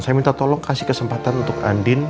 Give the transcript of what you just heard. saya minta tolong kasih kesempatan untuk andin